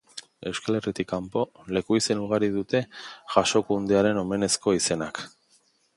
Euskal Herritik kanpo, leku-izen ugarik dute Jasokundearen omenezko izenak.